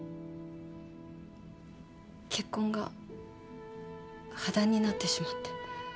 結婚が破談になってしまって。